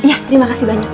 iya terima kasih banyak